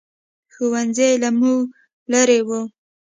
ښوؤنځی له موږ لرې ؤ